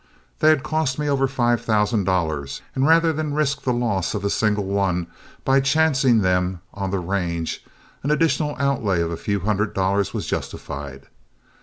They had cost me over five thousand dollars, and rather than risk the loss of a single one by chancing them on the range, an additional outlay of a few hundred dollars was justified.